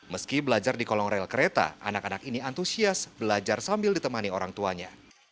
meski belajar di kolong rel kereta anak anak ini antusias belajar sambil ditemani orang tuanya